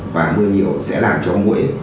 và mưa nhiều sẽ làm cho mũi